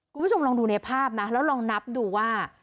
คุณผู้ชมลองดูในภาพนะแล้วลองนับดูว่า